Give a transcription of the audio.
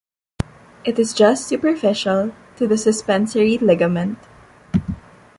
It is just superficial to the suspensory ligament.